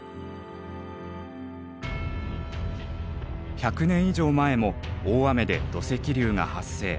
１００年以上前も大雨で土石流が発生。